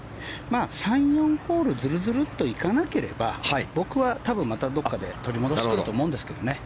３、４ホールずるずるっといかなければ僕は多分、またどこかで取り戻してくると思いますね。